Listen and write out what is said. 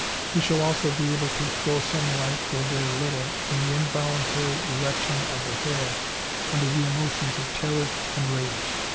We shall also be able to throw some light, though very little, on the involuntary erection of the hair under the emotions of terror and rage.